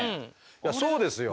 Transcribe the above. いやそうですよ。